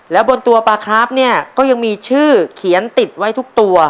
แล้วบนตัวปลาคราฟเนี่ยก็ยังมีชื่อเขียนติดไว้ทุกตัว